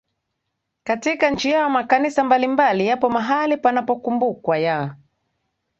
katika nchi yao Makanisa mbalimbali yapo mahali panapokumbukwa ya